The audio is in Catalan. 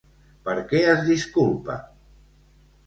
Per què es disculpa?